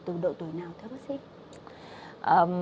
từ độ tuổi nào thưa bác sĩ